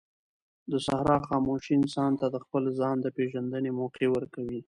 د صحرا خاموشي انسان ته د خپل ځان د پېژندنې موقع ورکوي.